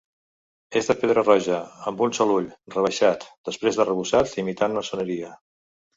És de pedra roja amb un sol ull rebaixat després arrebossat imitant maçoneria.